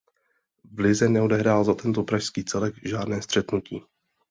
V lize neodehrál za tento pražský celek žádné střetnutí.